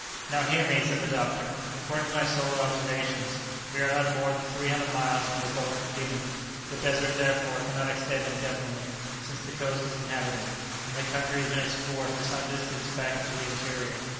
"Now, hear me!" said the doctor. "According to my solar observations, we are not more than three hundred miles from the Gulf of Guinea; the desert, therefore, cannot extend indefinitely, since the coast is inhabited, and the country has been explored for some distance back into the interior.